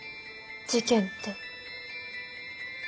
事件って？